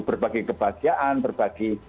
berbagi kebahagiaan berbagi